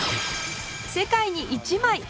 世界に１枚！